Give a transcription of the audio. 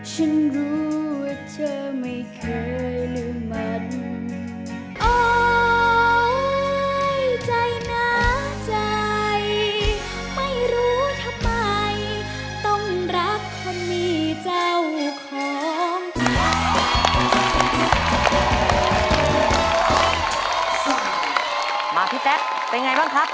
ฉันรู้ว่าเธอไม่เคยลืมมัน